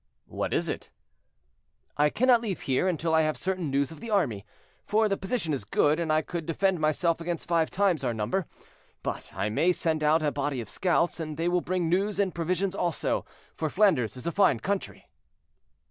"What is it?" "I cannot leave here until I have certain news of the army—for the position is good, and I could defend myself against five times our number: but I may send out a body of scouts, and they will bring news and provisions also, for Flanders is a fine country."